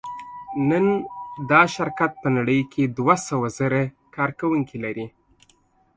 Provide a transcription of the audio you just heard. نن دا شرکت په نړۍ کې دوهسوهزره کارکوونکي لري.